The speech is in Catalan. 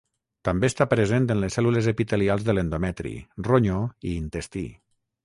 També està present en les cèl·lules epitelials de l'endometri, ronyó i intestí.